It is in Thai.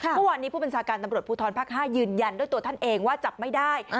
เมื่อวานนี้ผู้บัญชาการตำรวจภูทรภาค๕ยืนยันด้วยตัวท่านเองว่าจับไม่ได้